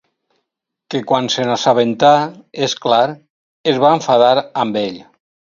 Que quan se n'assabentà, és clar, es va enfadar amb ell.